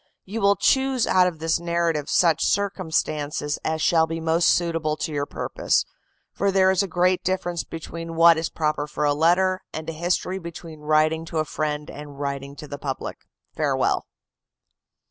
You will choose out of this narrative such circumstances as shall be most suitable to your purpose; for there is a great difference between what is proper for a letter and a history: between writing to a friend and writing to the public. Farewell."